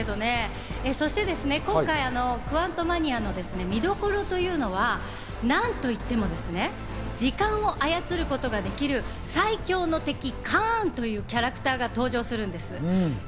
そして今回の作品の見どころなんですけど、何と言ってもですね、時間を操ることができる最凶の敵・カーンというキャラクターが登場するんです。